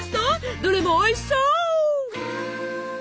どれもおいしそう！